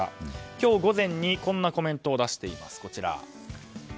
今日午前にこんなコメントを出しています。